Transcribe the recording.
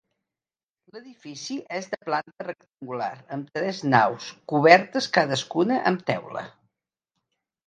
L'edifici és de planta rectangular amb tres naus cobertes cadascuna amb teula.